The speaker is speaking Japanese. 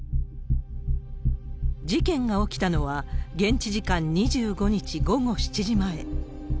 事件が起きたのは、現地時間２５日午後７時前。